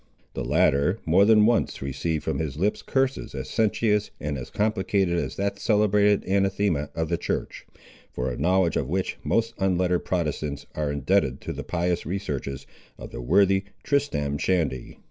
The latter more than once received from his lips curses as sententious and as complicated as that celebrated anathema of the church, for a knowledge of which most unlettered Protestants are indebted to the pious researches of the worthy Tristram Shandy.